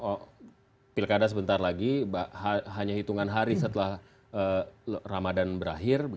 karena kita tahu bersama bahwa pilkada sebentar lagi hanya hitungan hari setelah ramadhan berakhir